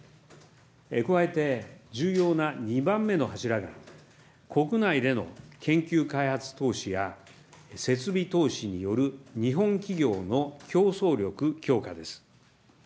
加えて、重要な２番目の柱が、国内での研究開発投資や、設備投資による日本企業の競争力強化です。